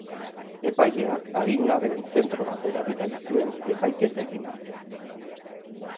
Epaileak adingabeen zentro batera bidali zuen epaiketa egin arte.